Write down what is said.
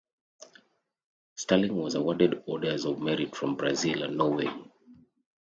Sterling was awarded Orders of Merit from Brazil and Norway.